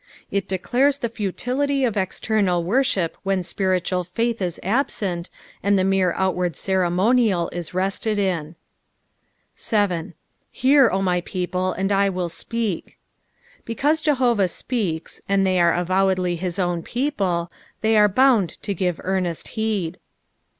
It declares the futility of external worship when spiritual faith is absent, and the mere outward ceremonial is rested in. 7. "iftar, 0 my petfpU, and I uill tpeah." Because Jehovah speaks, and they are avowedly his own people, thcj are bound to give earnest becd.